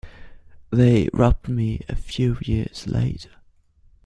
They robbed me a few years later.